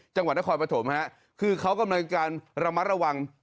จังหวัดนครปฐมฮะคือเขากำลังการระมัดระวัง